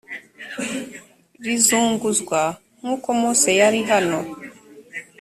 rizunguzwa g nk uko mose yari hano